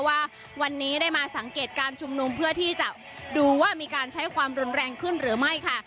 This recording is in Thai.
ว่าวันนี้ได้มาสังเกตการชุมนุมเพื่อที่จะดูว่ามีการใช้ความรุนแรงขึ้นหรือไม่ค่ะ